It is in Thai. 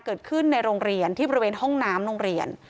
เกิดขึ้นในโรงเรียนที่บริเวณห้องน้ำโรงเรียน